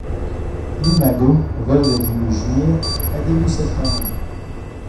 L'imago vole de début juillet à début septembre.